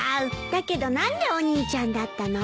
だけど何でお兄ちゃんだったの？